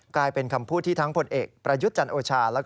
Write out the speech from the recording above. กลายเป็นคำพูดที่ทั้งผลเอกประยุทธ์จันโอชา